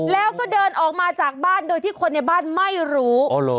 แล้วก็เดินออกมาจากบ้านโดยที่คนในบ้านไม่รู้